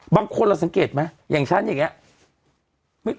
บางคนเราสังเกตไหมอย่างฉันอย่างนี้